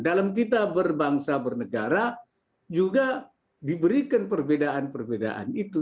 dalam kita berbangsa bernegara juga diberikan perbedaan perbedaan itu